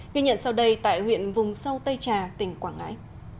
ghi nhận sau đây tại huyện vùng sâu tây trà tỉnh quảng ngãi